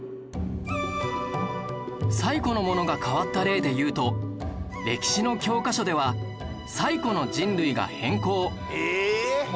最古のものが変わった例でいうと歴史の教科書では最古の人類が変更